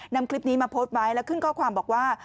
นำคลิปนี้มาโพสต์ไว้แล้วขึ้นข้อความบอกว่า